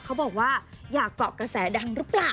เขาบอกว่าอยากเกาะกระแสดังหรือเปล่า